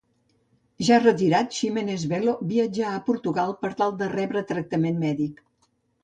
Ja retirat, Ximenes Belo viatjà a Portugal per tal de rebre tractament mèdic.